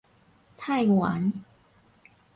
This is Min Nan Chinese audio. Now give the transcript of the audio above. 太原